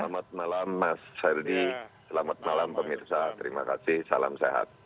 selamat malam mas herdy selamat malam pemirsa terima kasih salam sehat